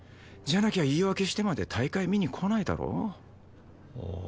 じゃなきゃ言い訳してまで大会見に来ないだろ。